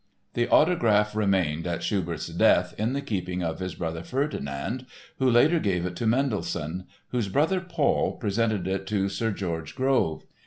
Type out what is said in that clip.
The autograph remained at Schubert's death in the keeping of his brother Ferdinand who later gave it to Mendelssohn, whose brother, Paul, presented it to Sir George Grove.